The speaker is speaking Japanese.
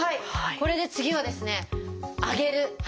これで次はですね「上げる」。